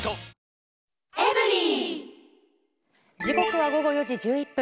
時刻は午後４時１１分。